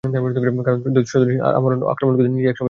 কারণ, দৈত্যসদৃশ আমর আক্রমণ করতে করতে এক সময় নিজেই থেমে যায়।